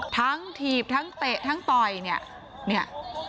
ทั้งถีบทั้งเตะทั้งปล่อยเนี่ย